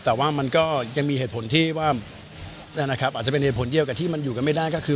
แต่ว่ามันก็ยังมีเหตุผลที่ว่านั่นนะครับอาจจะเป็นเหตุผลเดียวกับที่มันอยู่กันไม่ได้ก็คือ